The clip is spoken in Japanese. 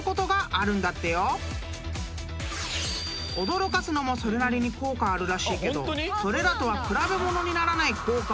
［驚かすのもそれなりに効果あるらしいけどそれらとは比べものにならない効果をもたらす